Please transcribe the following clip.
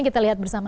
kita lihat bersama